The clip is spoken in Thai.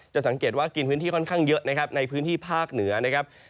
สังเกตว่ากินพื้นที่ค่อนข้างเยอะนะครับในพื้นที่ภาคเหนือนะครับ